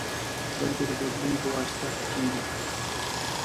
بلکې د بدلون پواسطه ښه کېږي.